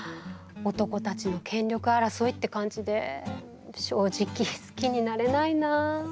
男たちの権力争いって感じで正直好きになれないなあ。